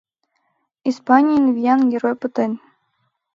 Испанийын виян герой пытен...